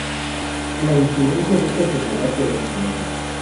La incidencia de esta enfermedad se desconoce.